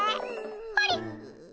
あれ？